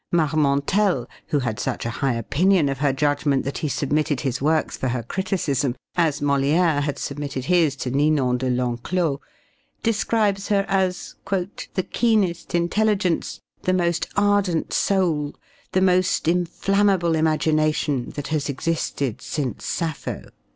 Marmontel, who had such a high opinion of her judgment that he submitted his works for her criticism, as Molière had submitted his to Ninon de Lenclos, describes her as "the keenest intelligence, the most ardent soul, the most inflammable imagination that has existed since Sappho."